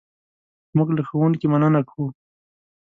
موږ له ښوونکي مننه کوو.